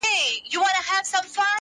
سر تر نوکه لا خولې پر بهېدلې٫